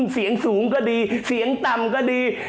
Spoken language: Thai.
เสียงสูงก็ดีเสียงต่ำก็ดี